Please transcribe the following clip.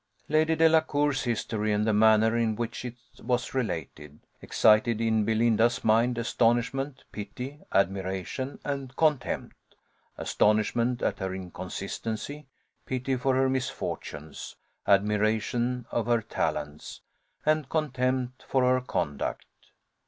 Lady Delacour's history, and the manner in which it was related, excited in Belinda's mind astonishment, pity, admiration, and contempt: astonishment at her inconsistency, pity for her misfortunes, admiration of her talents, and contempt for her conduct.